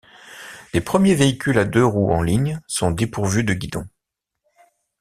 Les premiers véhicules à deux roues en ligne sont dépourvus de guidon.